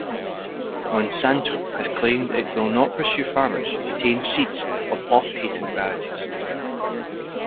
Monsanto has claimed it will not pursue farmers who retain seeds of off-patent varieties.